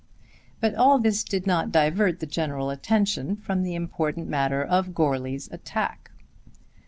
But all this did not divert the general attention from the important matter of Goarly's attack.